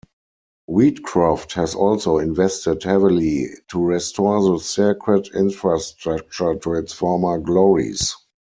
Wheatcroft has also invested heavily to restore the circuit infrastructure to its former glories.